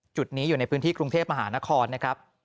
จุดนี้อยู่ในพื้นที่กรุงเทพมหานครนะครับ